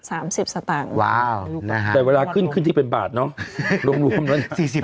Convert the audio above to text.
อ่าว้าวนะครับแต่เวลาขึ้นขึ้นที่เป็นบาทเนอะรวมนั้น